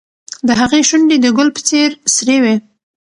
د هغې شونډې د ګل په څېر سرې وې.